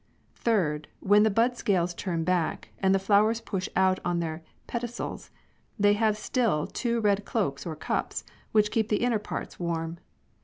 Third, when the bud scales turn back, and the flowers push out on their pedicels, ihey have still two red cloaks or cups, which keep the inner parts warm.